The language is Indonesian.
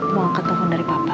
mau angkat telepon dari bapak